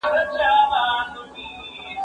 که دي هوس دئ، نو دي بس دئ.